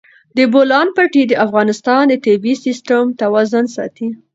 د بولان پټي د افغانستان د طبعي سیسټم توازن ساتي.